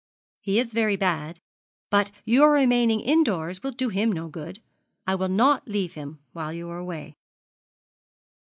'He is very bad, but your remaining indoors will do him no good. I will not leave him while you are away.'